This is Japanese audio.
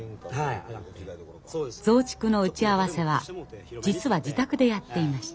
増築の打ち合わせは実は自宅でやっていました。